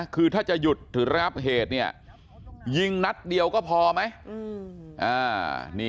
คือถ้าจะหยุดหรือระงับเหตุเนี่ยยิงนัดเดียวก็พอไหม